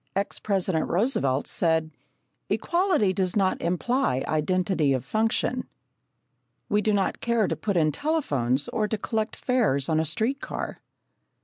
Ex President Roosevelt said: "Equality does not imply identity of function." We do not care to put in telephones or to collect fares on a street car.